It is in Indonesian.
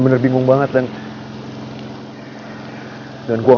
jujur gue bingung banget tentang sus goreng